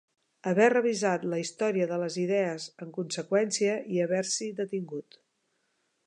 Haver revisat la història de les idees en conseqüència i haver-s'hi detingut.